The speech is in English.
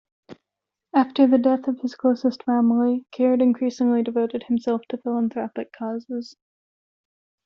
After the death of his closest family, Caird increasingly devoted himself to philanthropic causes.